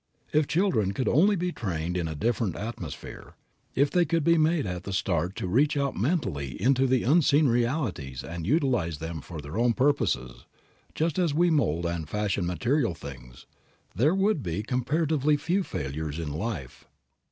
If children could only be trained in a different atmosphere; if they could be made at the start to reach out mentally into the unseen realities and utilize them for their own purposes, just as we mold and fashion material things, there would be comparatively few failures in life.